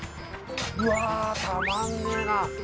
うわたまんねぇな。